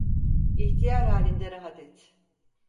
İhtiyar halinde rahat et…